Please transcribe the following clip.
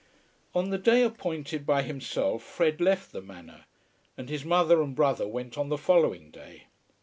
On the day appointed by himself Fred left the Manor, and his mother and brother went on the following day.